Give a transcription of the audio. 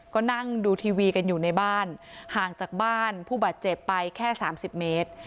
ก็นั่งดูทีวีกันอยู่ในบ้านห่างจากบ้านผู้บาดเจ็บไปแค่๓๐เมตร